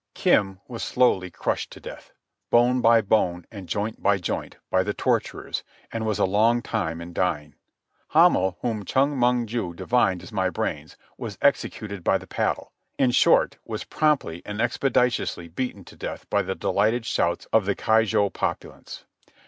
Kim was slowly crushed to death, bone by bone and joint by joint, by the torturers, and was a long time in dying. Hamel, whom Chong Mong ju divined as my brains, was executed by the paddle—in short, was promptly and expeditiously beaten to death to the delighted shouts of the Keijo populace.